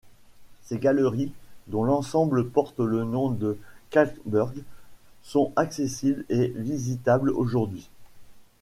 Ces galeries, dont l'ensemble porte le nom de Kahl-Burg, sont accessibles et visitables aujourd'hui.